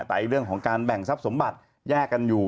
แต่เรื่องของการแบ่งทรัพย์สมบัติแยกกันอยู่